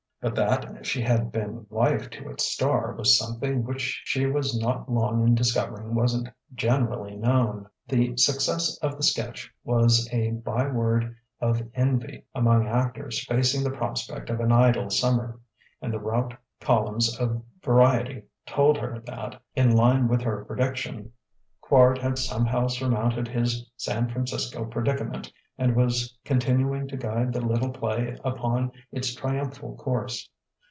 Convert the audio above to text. But that she had been wife to its star was something which she was not long in discovering wasn't generally known. The success of the sketch was a by word of envy among actors facing the prospect of an idle summer; and the route columns of Variety told her that, in line with her prediction, Quard had somehow surmounted his San Francisco predicament and was continuing to guide the little play upon its triumphal course.